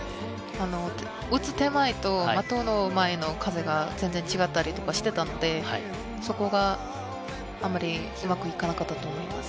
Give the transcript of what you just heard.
撃つ手前と、的の前の風が全然違ったりとかしてたので、そこがあまりうまくいかなかったと思います。